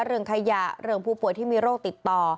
เรื่องขยะเรื่องผู้ป่วยที่มีโรคติดต่อ